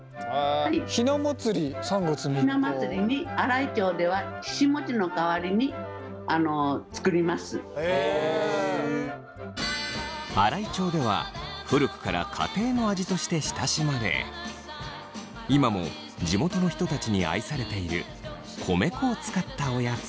ひな祭りに新居町では新居町では古くから家庭の味として親しまれ今も地元の人たちに愛されている米粉を使ったおやつ。